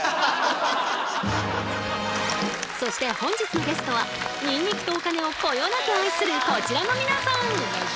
そして本日のゲストはニンニクとお金をこよなく愛するこちらの皆さん。